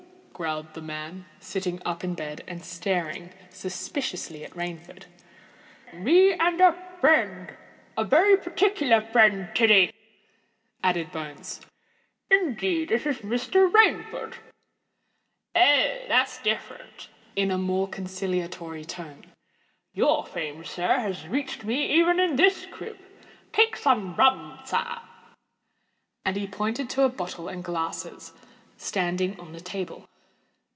growled the man, sitting up in bed, and staring suspiciously at Rainford. "Me and a friend—a very particular friend, Tiddy," added Bones. "Indeed, it's Mr. Rainford." "Oh! that's different!" said Tidmarsh, in a more conciliatory tone. "Your fame, sir, has reached me even in this crib. Take some rum, sir." And he pointed to a bottle and glasses standing on a table.